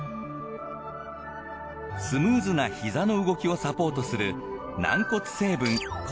スムーズなひざの動きをサポートする。